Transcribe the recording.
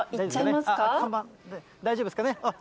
看板、大丈夫ですかね。